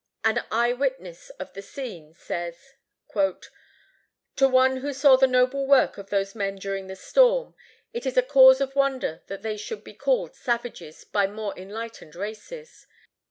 An eye witness of the scene says: "To one who saw the noble work of those men during the storm, it is a cause of wonder that they should be called savages by more enlightened races.